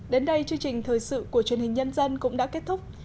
đến đây chương trình thời sự của truyền hình nhân dân cũng đã kết thúc